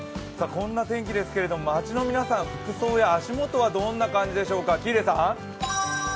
こんな天気ですけれども、町の皆さん、服装や足元はどんな感じでしょうか、喜入さん。